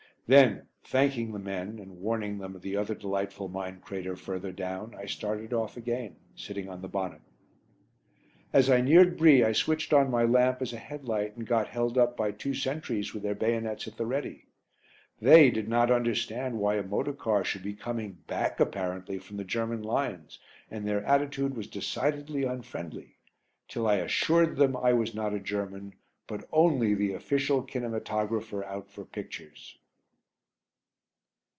Then, thanking the men, and warning them of the other delightful mine crater further down, I started off again, sitting on the bonnet. As I neared Brie I switched on my lamp as a headlight and got held up by two sentries with their bayonets at the ready. They did not understand why a motor car should be coming back apparently from the German lines, and their attitude was decidedly unfriendly till I assured them I was not a German, but only the Official Kinematographer out for pictures.